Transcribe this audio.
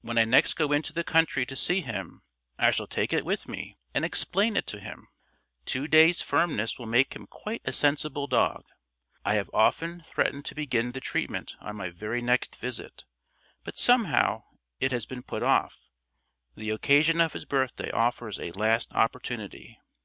When I next go into the country to see him I shall take it with me and explain it to him. Two day's firmness would make him quite a sensible dog. I have often threatened to begin the treatment on my very next visit, but somehow it has been put off; the occasion of his birthday offers a last opportunity.